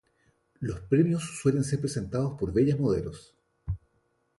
Los premios suelen ser presentados por bellas modelos.